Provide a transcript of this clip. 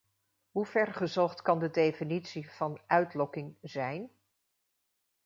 Hoever gezocht kan de definitie van "uitlokking” zijn?